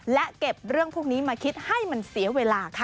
และเก็บเรื่องพวกนี้มาคิดให้มันเสียเวลาค่ะ